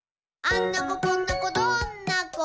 「あんな子こんな子どんな子？